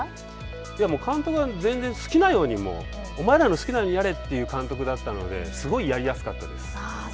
いやもう、監督は全然好きなように、お前らの好きなようにやれという、監督だったので、すごいやりやすかったです。